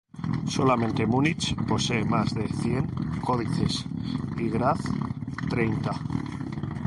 Solamente Munich posee más de cien códices y Graz treinta.